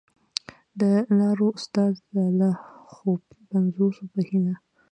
د لاروي استاد د لا ښو پنځونو په هیله!